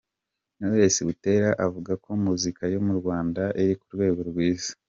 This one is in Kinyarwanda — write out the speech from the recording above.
Knowless Butera avuga ko muzika yo mu Rwanda iri ku rwego rwiza.